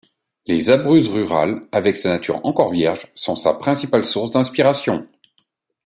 Les Abruzzes rurales, avec sa nature encore vierge, sont sa principale source d'inspiration.